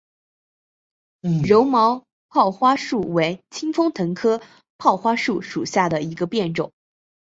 柔毛泡花树为清风藤科泡花树属下的一个变种。